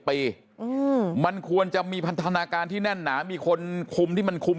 ปีมันควรจะมีพันธนาการที่แน่นหนามีคนคุมที่มันคุม